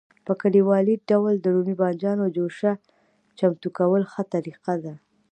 په کلیوالي ډول د رومي بانجانو جوشه چمتو کول ښه طریقه ده.